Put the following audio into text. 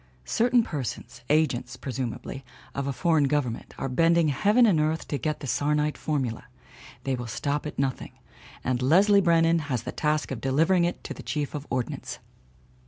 Certain persons, agents, presumably, of a foreign government, are bending heaven and earth to get the sarnite formula. They will stop at nothing. And Leslie Brennan has the task of delivering it to the Chief of Ordnance.